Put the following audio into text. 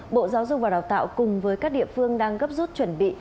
bộ giáo dục và đào tạo cùng với các địa phương đang gấp rút chuẩn bị